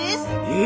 え！